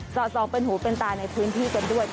อดส่องเป็นหูเป็นตาในพื้นที่กันด้วย